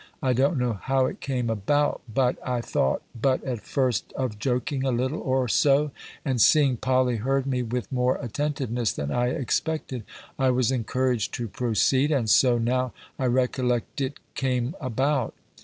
I don't knowe how itt came aboute, butt I thought butt att first of joking a littel, or soe; and seeing Polley heard me with more attentiveness than I expected, I was encouraged to proceede; and soe, now I recollecte, itt camn aboute.